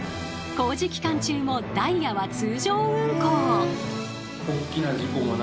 工事期間中もダイヤは通常運行。